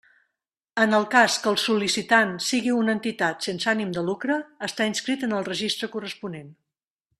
En el cas que el sol·licitant sigui una entitat sense ànim de lucre, estar inscrit en el registre corresponent.